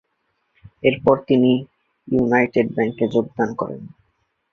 এরপর তিনি ইউনাইটেড ব্যাংকে যোগদান করেন।